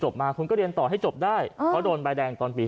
ผมก็ดีนะครับเขายังไป